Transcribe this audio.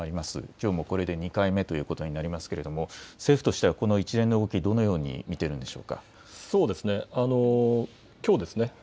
きょうもこれで２回目ということになりますけれども政府としてはこの一連の動き、どのように見ているんでしょうか。